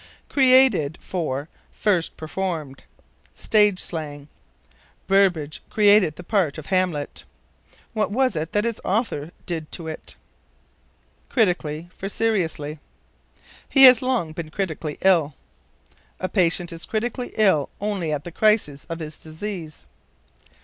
Created for First Performed. Stage slang. "Burbage created the part of Hamlet." What was it that its author did to it? Critically for Seriously. "He has long been critically ill." A patient is critically ill only at the crisis of his disease.